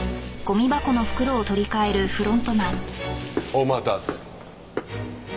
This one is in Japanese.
お待たせ。